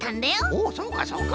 おそうかそうか。